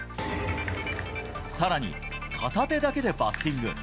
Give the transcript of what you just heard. さらに、片手だけでバッティング。